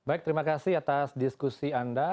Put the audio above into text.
baik terima kasih atas diskusi anda